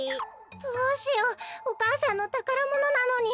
どうしようお母さんのたからものなのに。